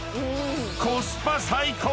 ［コスパ最高！］